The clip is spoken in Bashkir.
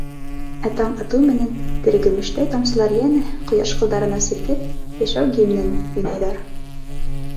Ә таң атыу менән, терегөмөштәй тамсылар йәнә, ҡояш ҡылдарына сиртеп, йәшәү гимнен уйнарҙар.